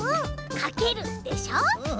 「かける」でしょ。